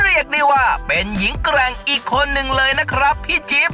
เรียกได้ว่าเป็นหญิงแกร่งอีกคนนึงเลยนะครับพี่จิ๊บ